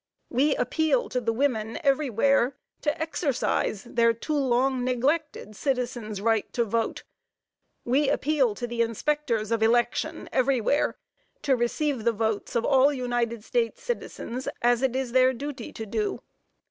We appeal to the women everywhere to exercise their too long neglected "citizen's right to vote." We appeal to the inspectors of election everywhere to receive the votes of all United States citizens as it is their duty to do.